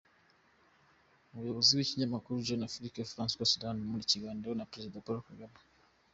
Umuyobozi w’ikinyamakuru Jeune Afrique, Francois Soudan mu Kiganiro na Perezida Paul Kagame